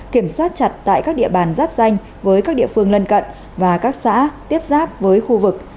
kiểm soát chặt tại các địa bàn giáp danh với các địa phương lân cận và các xã tiếp giáp với khu vực